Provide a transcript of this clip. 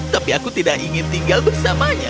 tapi aku tidak ingin tinggal bersamanya